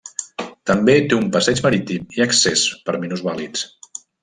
També té un passeig marítim i accés per minusvàlids.